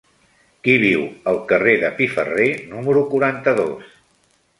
Qui viu al carrer de Piferrer número quaranta-dos?